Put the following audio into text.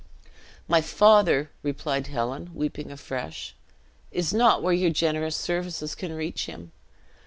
"My father," replied Helen, weeping afresh, "is not where your generous services can reach him.